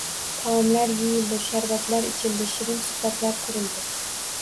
Taomlar yeyildi, sharbatlar ichildi, shirin suhbatlar qurildi